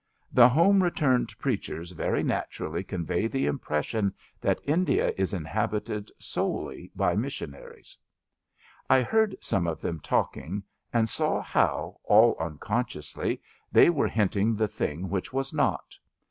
The home returned preachers very naturally convey the impression that India is inhabited solely by missionaries* I heard some of them talking and saw how, all unconsciously, they were hinting the thing which was not.